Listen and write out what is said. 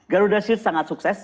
garuda shield sangat sukses